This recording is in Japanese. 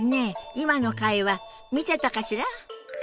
今の会話見てたかしら？